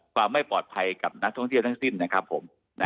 ความไม่ปลอดภัยกับนักท่องเที่ยวทั้งสิ้นนะครับผม